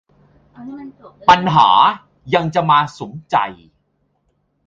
ปัญหายังจะมาสุมใจ